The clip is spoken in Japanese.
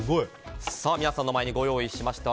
皆さんの前にご用意しました。